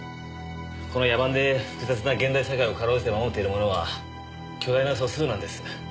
この野蛮で複雑な現代社会をかろうじて守っているものは巨大な素数なんです。